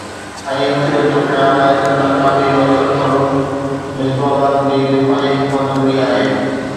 ۽ اڪثريت جو خيال آهي ته ناڪامي جو اصل سبب مصباح الحق جي دفاعي حڪمت عملي آهي.